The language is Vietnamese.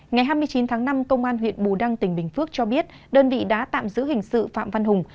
ngày hai mươi chín tháng năm công an huyện bù đăng tỉnh bình phước cho biết đơn vị đã tạm giữ hình sự phạm văn hùng